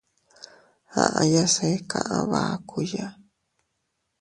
Aʼayase kaʼa bakuya.